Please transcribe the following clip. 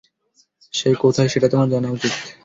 সে কোথায়, সেটা তো জানা উচিৎ তোমার।